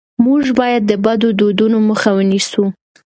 موږ باید د بدو دودونو مخه ونیسو.